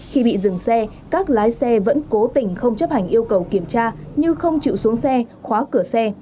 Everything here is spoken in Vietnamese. khi bị dừng xe các lái xe vẫn cố tình không chấp hành yêu cầu kiểm tra nhưng không chịu xuống xe khóa cửa xe